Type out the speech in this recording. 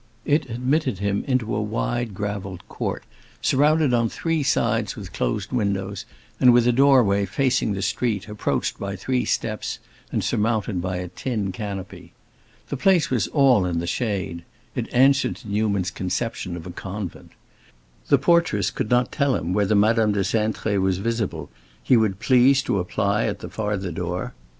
It admitted him into a wide, gravelled court, surrounded on three sides with closed windows, and with a doorway facing the street, approached by three steps and surmounted by a tin canopy. The place was all in the shade; it answered to Newman's conception of a convent. The portress could not tell him whether Madame de Cintré was visible; he would please to apply at the farther door.